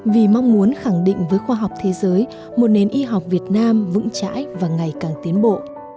vì mong muốn khẳng định với khoa học thế giới một nền y học việt nam vững chãi và ngày càng tiến bộ